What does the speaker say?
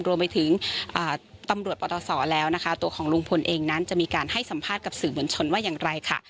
รวมไปถึงตำรวจปตศแล้วนะคะตัวของลุงพลเองนั้นจะมีการให้สัมภาษณ์กับสื่อมวลชนว่าอย่างไรค่ะ